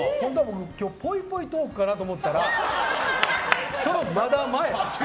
ぽいぽいトークかなと思ったらまだ前？